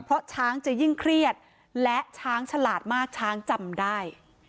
เพราะช้างจะยิ่งเครียดและช้างฉลาดมากช้างจำได้